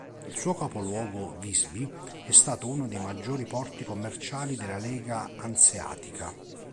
Il suo capoluogo Visby è stato uno dei maggiori porti commerciali della Lega anseatica.